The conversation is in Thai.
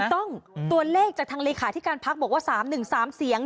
ตัวเลขจากทางเลขาธิการพักบอกว่า๓๑๓เสียง